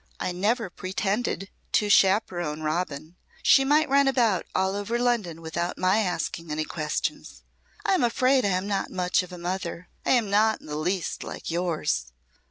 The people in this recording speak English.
I never pretended to chaperon Robin. She might run about all over London without my asking any questions. I am afraid I am not much of a mother. I am not in the least like yours."